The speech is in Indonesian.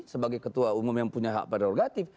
sebagai ketua umum yang punya hak pada orgatif